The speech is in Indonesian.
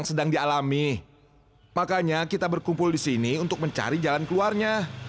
sampai jumpa di video selanjutnya